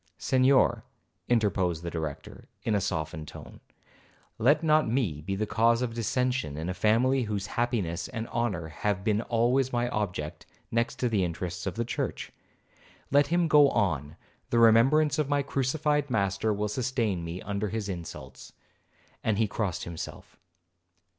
'Senhor,' interposed the Director, in a softened tone, 'let not me be the cause of dissension in a family whose happiness and honour have been always my object, next to the interests of the church. Let him go on, the remembrance of my crucified Master will sustain me under his insults,' and he crossed himself.